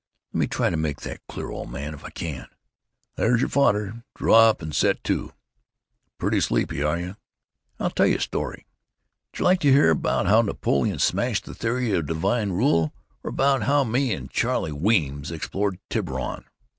Let me try to make that clear, old man, if I can.... "There's your fodder. Draw up and set to. Pretty sleepy, are you? I'll tell you a story. J' like to hear about how Napoleon smashed the theory of divine rule, or about how me and Charlie Weems explored Tiburon?